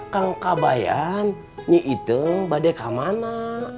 kang kabayan ini itung pada kemana